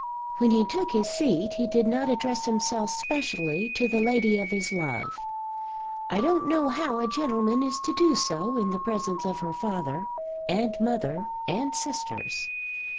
When he took his seat he did not address himself specially to the lady of his love. I don't know how a gentleman is to do so in the presence of her father, and mother, and sisters.